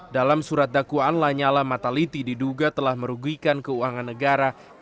dalam surat dakwaan lanyala mataliti diduga telah merugikan keuangan negara